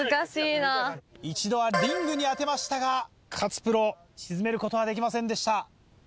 一度はリングに当てましたが勝プロ沈めることはできませんでした。